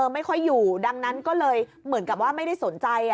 ไม่ค่อยอยู่ดังนั้นก็เลยเหมือนกับว่าไม่ได้สนใจ